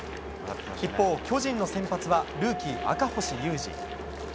一方、巨人の先発はルーキー、赤星優志。